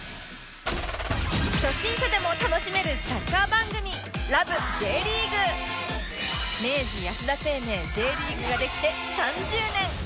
初心者でも楽しめるサッカー番組明治安田生命 Ｊ リーグができて３０年！